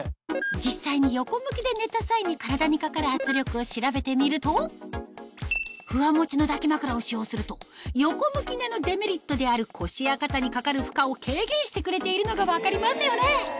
実際に横向きで寝た際に体にかかる圧力を調べてみるとふわもちの抱き枕を使用すると横向き寝のデメリットである腰や肩にかかる負荷を軽減してくれているのが分かりますよね